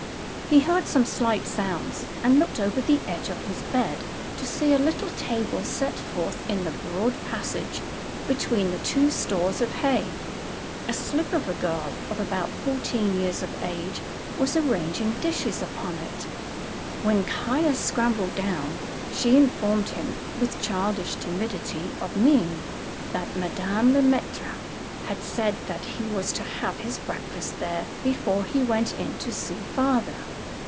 He heard some slight sounds, and looked over the edge of his bed to see a little table set forth in the broad passage between the two stores of hay. A slip of a girl, of about fourteen years of age, was arranging dishes upon it. When Caius scrambled down, she informed him, with childish timidity of mien, that Madame Le Maître had said that he was to have his breakfast there before he went in to see "father."